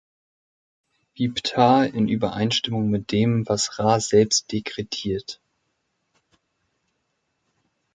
Wie Ptah in Übereinstimmung mit dem, was Ra selbst dekretiert.